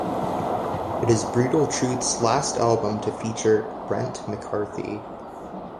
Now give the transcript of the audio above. It is Brutal Truth's last album to feature Brent McCarthy.